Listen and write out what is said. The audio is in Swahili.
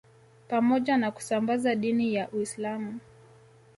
Pamoja na kusambaza dini ya Uislamu